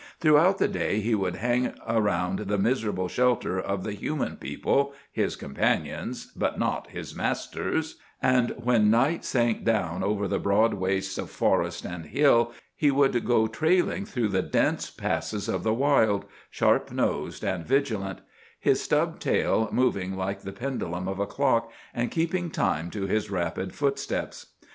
Throughout the day he would hang around the miserable shelter of the human people—his companions, but not his masters—and when night sank down over the broad wastes of forest and hill he would go trailing through the dense passes of the wild, sharp nosed and vigilant; his stub tail moving like the pendulum of a clock, and keeping time to his rapid footsteps.